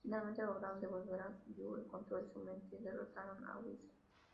Finalmente lograron devolver a Ryu el control de su mente y derrotaron a Bison.